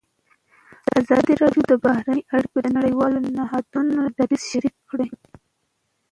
ازادي راډیو د بهرنۍ اړیکې د نړیوالو نهادونو دریځ شریک کړی.